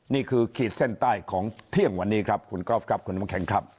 นี่คือขีดเส้นใต้ของเที่ยงวันนี้ครับคุณกรอฟครับคุณมะแข็งครับ